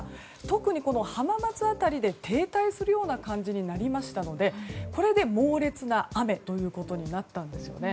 特に浜松辺りで停滞するような感じになりましたのでこれで猛烈な雨となったんですよね。